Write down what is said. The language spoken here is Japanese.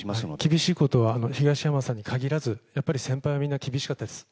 厳しいことは東山さんに限らず、先輩はみんな厳しかったです。